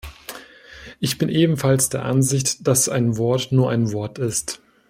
Ich bin ebenfalls der Ansicht, dass ein Wort nur ein Wort ist.